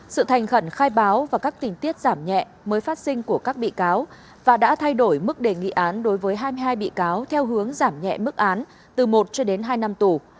sự thành khẩn khai báo và các tình tiết giảm nhẹ mới phát sinh của các bị cáo và đã thay đổi mức đề nghị án đối với hai mươi hai bị cáo theo hướng giảm nhẹ mức án từ một cho đến hai năm tù